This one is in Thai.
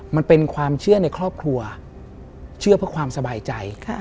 มันเป็นความเชื่อในครอบครัวเชื่อเพื่อความสบายใจ